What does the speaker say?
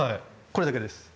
これだけです。